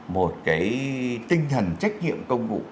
một cái tinh thần trách nhiệm công vụ